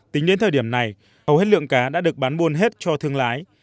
tính đến thời điểm này hầu hết lượng cá đã được bán buôn hết cho thương lái